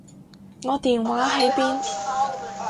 我電話喺邊？